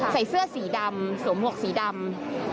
ใส่เสื้อสีดำสวมหวกสีดำ